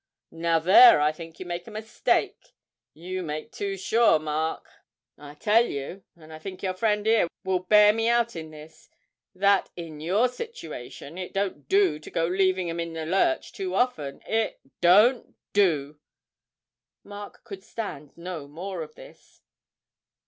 'Now there I think you make your mistake you make too sure, Mark. I tell you (and I think your friend 'ere will bear me out in this) that, in your situation, it don't do to go leaving 'em in the lurch too often it don't do!' Mark could stand no more of this.